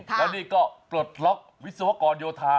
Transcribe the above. ตอนนี้ก็ปลดล็อควิศวกรโยธา